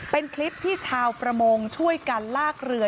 เป็นคลิปที่ชาวประมงช่วยกันลากเรือ